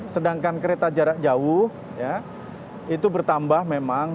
sedangkan kereta jarak jauh itu bertambah memang